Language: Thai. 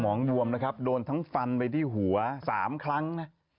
งบวมนะครับโดนทั้งฟันไปที่หัว๓ครั้งนะ